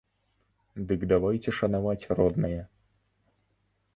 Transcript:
Дык давайце шанаваць роднае!